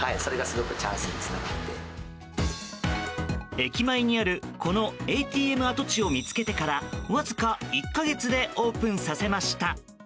駅前にあるこのＡＴＭ跡地を見つけてからわずか１か月でオープンさせました。